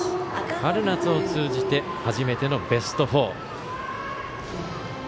春夏を通じて初めてのベスト４。